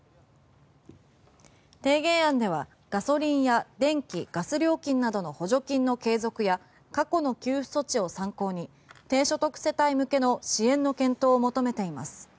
提言案ではガソリンや電気・ガス料金などの補助金の継続や過去の給付措置を参考に低所得世帯向けの支援の検討を求めています。